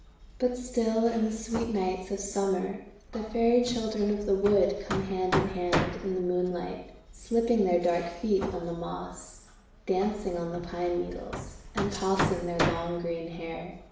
But still in the sweet nights of Summer the Fairy Children of the Wood come hand in hand in the moonlight, slipping their dark feet on the moss, dancing on the pine needles, and tossing back their long green hair.